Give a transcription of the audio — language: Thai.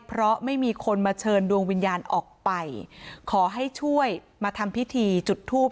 เพราะไม่มีคนมาเชิญดวงวิญญาณออกไปขอให้ช่วยมาทำพิธีจุดทูป